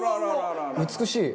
美しい。